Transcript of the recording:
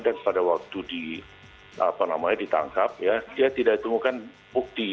dan pada waktu ditangkap dia tidak ditemukan bukti